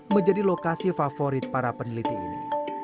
menjadi lokasi favorit para peneliti ini